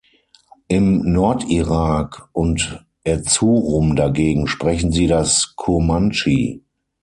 Im Nordirak und Erzurum dagegen sprechen sie das Kurmandschi.